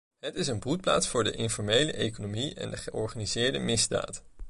Het is een broedplaats voor de informele economie en georganiseerde misdaad.